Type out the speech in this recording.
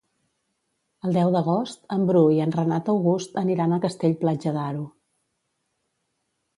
El deu d'agost en Bru i en Renat August aniran a Castell-Platja d'Aro.